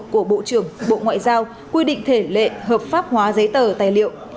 của bộ trưởng bộ ngoại giao quy định thể lệ hợp pháp hóa giấy tờ tài liệu